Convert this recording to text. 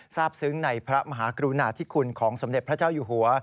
ทราบซึ้งในพระมหากรุณาธิคุณของสมเด็จพระเจ้าอยู่หัว